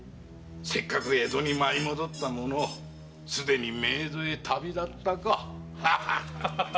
せっかく江戸に舞い戻ったものをすでに冥土へ旅立ったか。